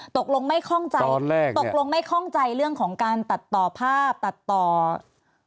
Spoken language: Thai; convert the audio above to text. ตกลงไม่ค่องใจเรื่องของการตัดต่อภาพตัดต่อใดนะคะ